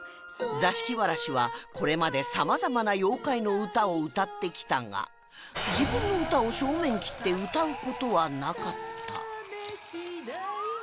座敷わらしはこれまで様々な妖怪の歌を歌ってきたが自分の歌を正面切って歌う事はなかった